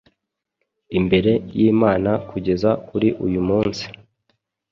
imbere y’Imana kugeza kuri uyu munsi.’